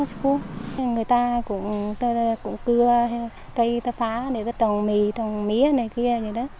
thì người ta cũng cưa cây phá để trồng mì trồng mía như vậy đó